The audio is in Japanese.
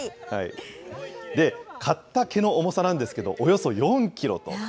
で、刈った毛の重さなんですけど、およそ４キロと。